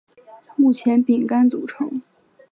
目前饼干组成。